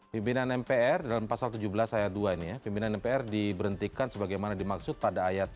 pimpinan mpr dalam pasal tujuh belas ayat dua ini ya pimpinan mpr diberhentikan sebagaimana dimaksud pada ayat satu